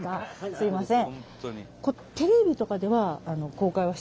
すいません。